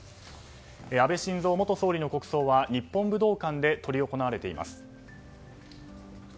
安倍晋三元総理の国葬は日本武道館で執り行われています。